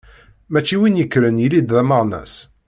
Mačči win yekkren yili d ameɣnas.